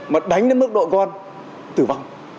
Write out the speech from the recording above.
mà đánh đến mức độ con tử vong